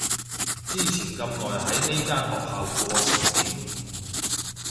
之前咁耐喺呢間學校過成點？